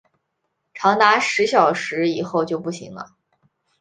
长达十小时以后就不行了